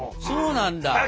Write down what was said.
そうなんだ。